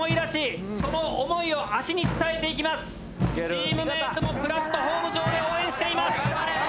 チームメートもプラットホーム上で応援しています。